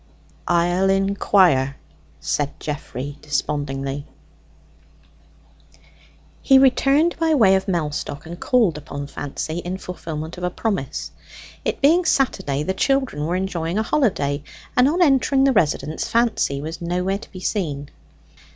"I'll inquire," said Geoffrey despondingly. He returned by way of Mellstock, and called upon Fancy, in fulfilment of a promise. It being Saturday, the children were enjoying a holiday, and on entering the residence Fancy was nowhere to be seen.